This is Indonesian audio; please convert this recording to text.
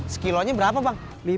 sekilonya berapa bang